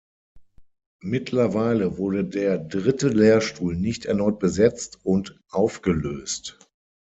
Mittlerweile wurde der dritte Lehrstuhl nicht erneut besetzt und aufgelöst.